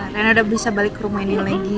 reina udah bisa balik ke rumah ini lagi